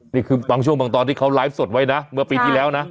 นี่คือบางช่วงบางตอนที่เขาไลฟ์สดไว้นะเมื่อปีที่แล้วนะ